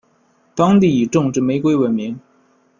当地以种植玫瑰闻名。